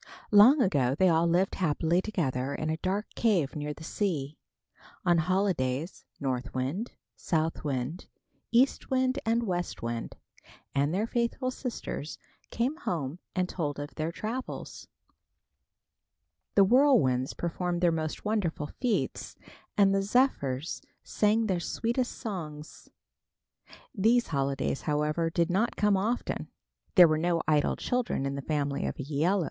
Long ago, they all lived happily together in a dark cave near the sea. On holidays, North Wind, South Wind, East Wind and West Wind and their faithful sisters, came home and told of their travels. The whirlwinds performed their most wonderful feats, and the zephyrs sang their sweetest songs. These holidays, however, did not come often. There were no idle children in the family of Æolus.